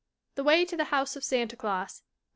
The Way to the House of Santa Clous, 1916.